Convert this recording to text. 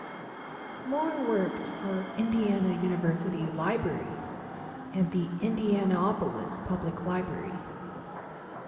Moore worked for Indiana University Libraries and the Indianapolis Public Library.